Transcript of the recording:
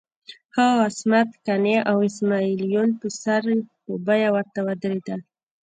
خو عصمت قانع او اسماعیل یون په سر په بیه ورته ودرېدل.